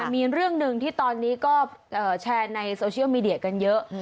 มีเรื่องหนึ่งที่ตอนนี้ก็แชร์ในโซเชียลมีเดียกันเยอะ